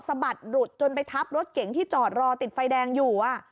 บัดหลุดจนไปทับรถเก๋งที่จอดรอติดไฟแดงอยู่